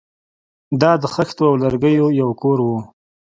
دا د خښتو او لرګیو یو کور و